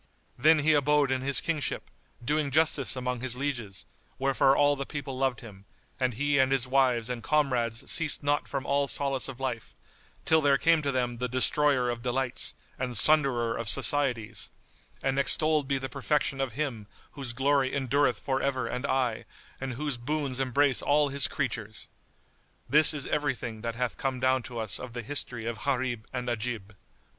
Then he abode in his kingship, doing justice among his lieges, wherefore all the people loved him, and he and his wives and comrades ceased not from all solace of life, till there came to them the Destroyer of Delights and Sunderer of Societies, and extolled be the perfection of Him whose glory endureth for ever and aye and whose boons embrace all His creatures! This is every thing that hath come down to us of the history of Gharib and Ajib.